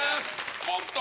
コント